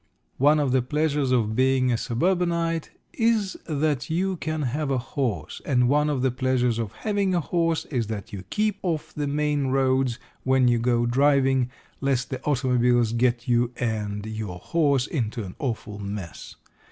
One of the pleasures of being a suburbanite is that you can have a horse, and one of the pleasures of having a horse is that you keep off the main roads when you go driving, lest the automobiles get you and your horse into an awful mess.